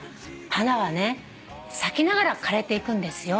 「花はね咲きながら枯れていくんですよ」